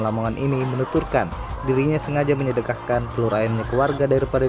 lamongan ini menuturkan dirinya sengaja menyedekahkan telur ayamnya ke warga daripada